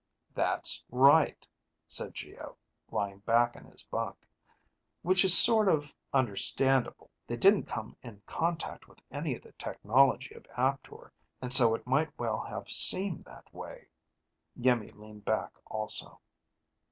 "That's right," said Geo, lying back in his bunk. "Which is sort of understandable. They didn't come in contact with any of the technology of Aptor, and so it might well have seemed that way." Iimmi leaned back also.